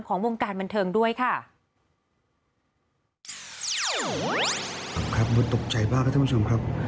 ของวงการมันเทิงด้วยค่ะ